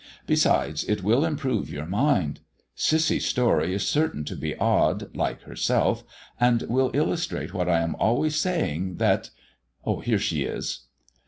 Besides, it will improve your mind. Cissy's story is certain to be odd, like herself, and will illustrate what I am always saying that Here she is."